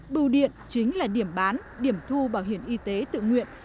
bưu điện chính là điểm bán điểm thu bảo hiểm y tế tự nguyện